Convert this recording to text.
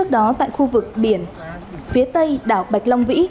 nó tại khu vực biển phía tây đảo bạch long vĩ